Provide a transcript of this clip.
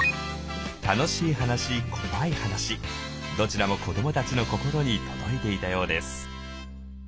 楽しい話怖い話どちらも子どもたちの心に届いていたようです。